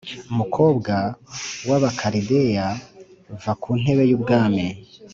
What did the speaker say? mukobwa w’abakalideya, va ku ntebe y’ubwami,